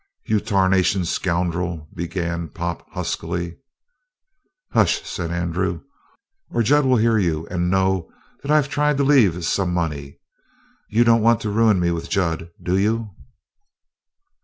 "You tarnation scoundrel!" began Pop huskily. "Hush," said Andrew, "or Jud will hear you and know that I've tried to leave some money. You don't want to ruin me with Jud, do you?"